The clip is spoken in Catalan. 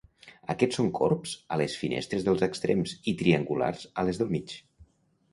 Aquests són corbs a les finestres dels extrems i triangulars a les del mig.